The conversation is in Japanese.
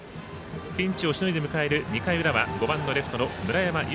ピンチをしのいで迎える２回裏は５番レフトの村山由